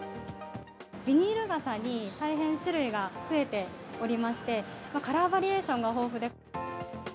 ビニール傘に大変種類が増えておりまして、カラーバリエーションが豊富で。